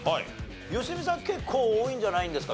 良純さん結構多いんじゃないんですか？